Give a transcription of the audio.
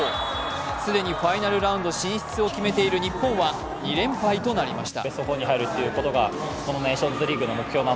既にファイナルラウンド進出を決めている日本は２連敗となりました。